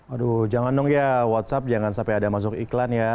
aduh jangan dong ya whatsapp jangan sampai ada masuk iklan ya